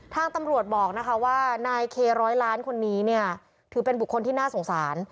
ทางตำรวจบอกนะคะว่านายเคร้อยล้านคนนี้เนี่ยถือเป็นบุคคลที่น่าสงสาร